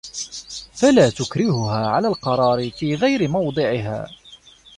فَلَا تُكْرِهُهَا عَلَى الْقَرَارِ فِي غَيْرِ مَوْضِعِهَا